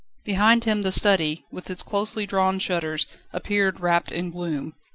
Behind him the study, with its closely drawn shutters, appeared wrapped in gloom.